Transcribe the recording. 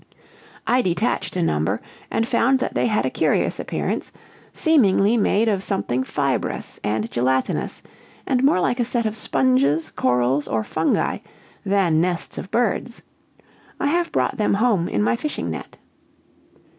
I detached a number, and found that they had a curious appearance, seemingly made of something fibrous and gelatinous, and more like a set of sponges, corals, or fungi, than nests of birds. I have brought them home in my fishing net."